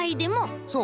そう。